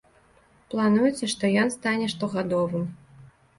Плануецца, што ён стане штогадовым.